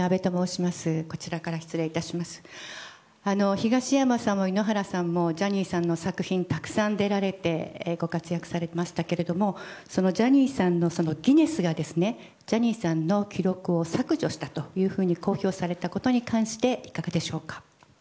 東山さんも井ノ原さんもジャニーさんの作品にたくさん出られてご活躍されましたがギネスがジャニーさんの記録を削除したと公表されたことに関していかがでしょうか？